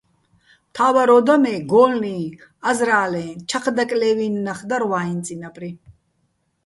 მთა́ვარ ო და მე გო́ლლი, აზრა́ლეჼ, ჩაჴ დაკლე́ვი́ნი ნახ დარ ვაიჼ წინაპრი.